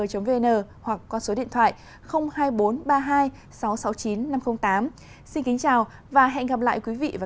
trong các chương trình lần sau